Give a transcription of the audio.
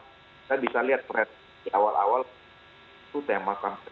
kita bisa lihat di awal awal itu tema sampai